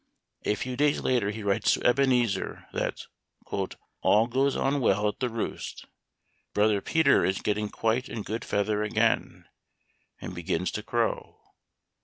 A few days later he writes to Ebenezer that " all goes on well at the Roost. Brother Peter is getting quite in good feather again, and begins' to crow